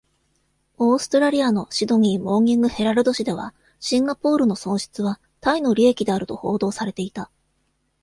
オーストラリアのシドニー・モーニング・ヘラルド紙では、シンガポールの損失はタイの利益であると報道されていた。